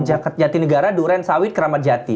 jati negara duren sawit keramat jati